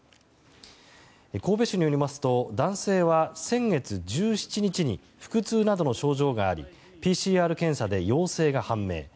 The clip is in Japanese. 神戸市によりますと男性は先月１７日に腹痛などの症状がありＰＣＲ検査で陽性が判明。